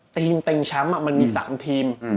ทีมเตรียมช้ำมันมี๓ทีม